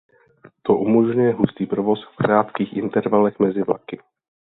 To umožňuje hustý provoz v krátkých intervalech mezi vlaky.